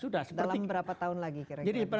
dalam berapa tahun lagi kira kira